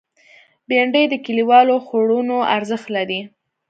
بېنډۍ د کلیوالو خوړونو ارزښت لري